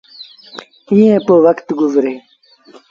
ايٚئيٚن پيو وکت گزرتو۔